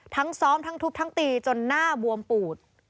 ซ้อมทั้งทุบทั้งตีจนหน้าบวมปูด